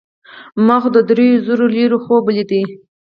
ما خو د دریو زرو لیرو خوب لیده.